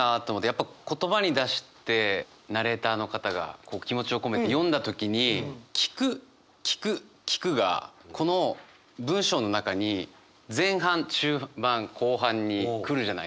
やっぱ言葉に出してナレーターの方が気持ちを込めて読んだ時に「聞く聞く聞く」がこの文章の中に前半中盤後半に来るじゃないですか。